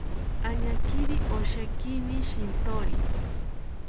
Añakiri oshekini shintori